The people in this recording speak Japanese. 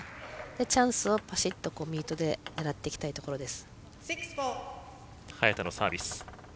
チャンスをパシッとミートで狙っていきたいところです。